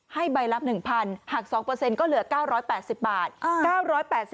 ให้ใบละ๑๐๐หัก๒ก็เหลือ๙๘๐บาท